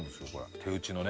手打ちのね。